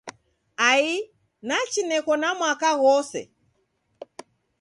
Ai nachi neko na mwaka ghose!